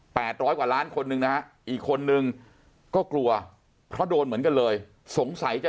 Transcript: ร้อยกว่าล้านคนหนึ่งนะฮะอีกคนนึงก็กลัวเพราะโดนเหมือนกันเลยสงสัยจะ